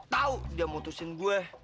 tau dia mutusin gua